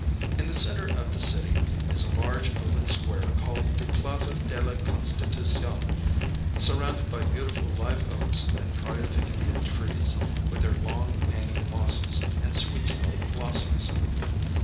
[Pg 111] In the center of the city is a large open square called the Plaza de la Constitucion, surrounded by beautiful live oaks and pride of India trees, with their long, hanging mosses and sweet smelling blossoms.